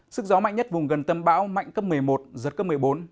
sức gió mạnh nhất vùng gần tâm bão mạnh cấp một mươi một giật cấp một mươi bốn